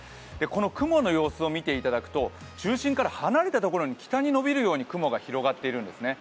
この雲の様子を見ていただくと中心から離れたところに北にのびるように雲が広がっています。